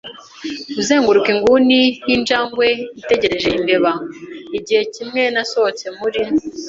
kuzenguruka inguni nk'injangwe itegereje imbeba. Igihe kimwe nasohotse muri